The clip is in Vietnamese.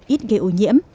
ít gây ô nhiễm